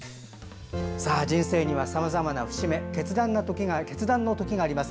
人生にはさまざまな節目決断の時があります。